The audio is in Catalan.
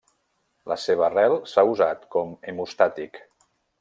La seva arrel s'ha usat com hemostàtic.